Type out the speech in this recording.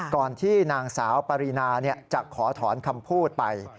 ก่อนที่นางสาวปรินาจะขอถอนคำพูดไป